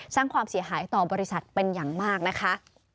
สร้างความเสียหายต่อบริษัทเป็นอย่างมากนะคะ